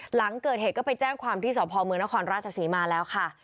หลังเกิดเหตุก็ไปแจ้งความที่สพเมืองนครราชศรีมาแล้วค่ะ